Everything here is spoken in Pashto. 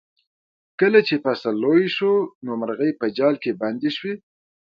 کله چې فصل لوی شو نو مرغۍ په جال کې بندې شوې.